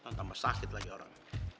akan tambah sakit lagi orang